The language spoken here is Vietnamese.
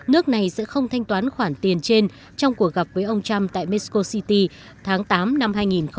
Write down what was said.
nước này sẽ không thanh toán khoản tiền trên trong cuộc gặp với ông trump tại mexico city tháng tám năm hai nghìn một mươi chín